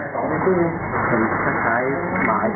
พวกมันคุณใช้ไม้เสียงไม้